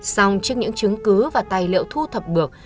xong trước những chứng cứ và tài liệu thu thập bược